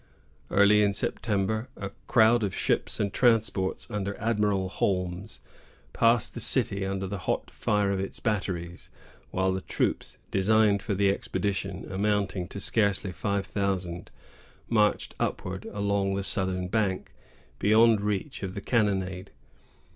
Early in September, a crowd of ships and transports, under Admiral Holmes, passed the city under the hot fire of its batteries; while the troops designed for the expedition, amounting to scarcely five thousand, marched upward along the southern bank, beyond reach of the cannonade.